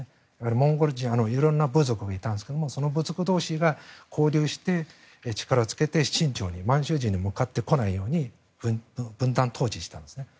モンゴル人色んな部族がいたんですが部族同士が交流して力をつけて満州人に向かってこないように分断統治したんです。